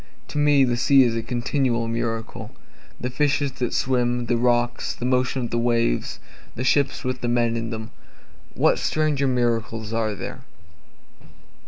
To me the sea is a continual miracle, The fishes that swim the rocks the motion of the waves the ships with the men in them, What stranger miracles are there?